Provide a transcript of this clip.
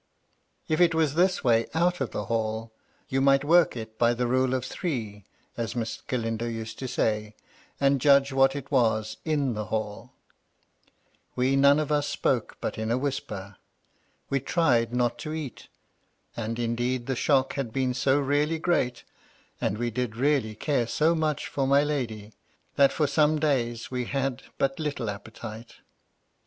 If it was in this way out of the Hall, " you might work it by the rule of three," as Miss Galindo used to N 2 268 MY LADY LUDLOW. say, and judge what it was in the HalL We none of us spoke but in a whisper : we tried not to eat ; and in deed the shock had been so really great, and we did really care so much for my lady, that for some days we had but little appetite.